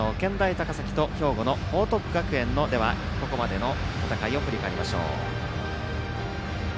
高崎と兵庫の報徳学園のここまでの戦いを振り返りましょう。